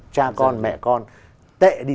cha con mẹ con tệ đi